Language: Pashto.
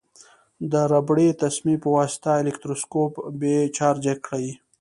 د ربړي تسمې په واسطه الکتروسکوپ بې چارجه کړئ.